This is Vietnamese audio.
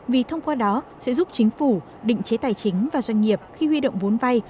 vì thông qua đó sẽ giúp chính phủ định chế tài chính và doanh nghiệp khi huy động vốn vay